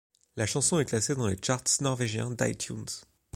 La chanson est classée dans les charts norvégiens d'iTunes.